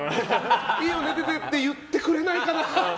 いいよ寝ててって言ってくれないかなと。